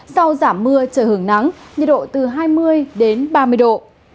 sau giảm mưa trời hưởng nắng nhiệt độ từ hai mươi đến ba mươi độ